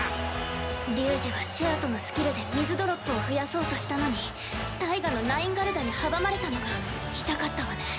龍二はシェアトのスキルで水ドロップを増やそうとしたのにタイガのナインガルダに阻まれたのが痛かったわね。